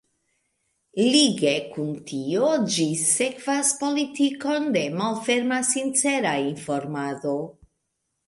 Lige kun tio ĝi sekvas politikon de malferma, „sincera“ informado.